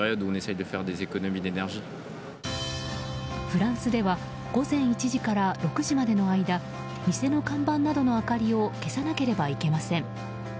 フランスでは午前１時から６時までの間店の看板などの明かりを消さなければなりません。